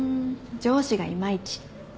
上司がいまいち。